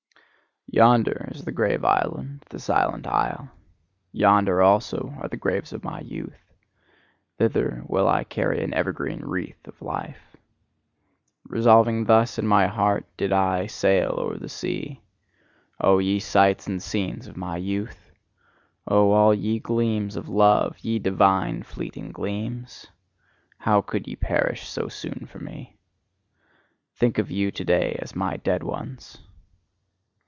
"Yonder is the grave island, the silent isle; yonder also are the graves of my youth. Thither will I carry an evergreen wreath of life." Resolving thus in my heart, did I sail o'er the sea. Oh, ye sights and scenes of my youth! Oh, all ye gleams of love, ye divine fleeting gleams! How could ye perish so soon for me! I think of you to day as my dead ones.